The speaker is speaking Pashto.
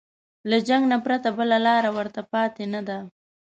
له جنګ نه پرته بله لاره ورته پاتې نه ده.